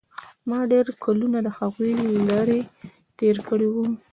ما ډېر کلونه له هغوى لرې تېر کړي وو.